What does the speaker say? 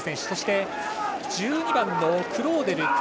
そして、１２番のクローデル。